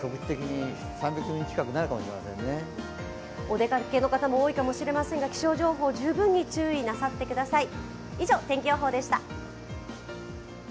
お出かけの人も多いかもしれませんが気象情報、十分に注意なさってください。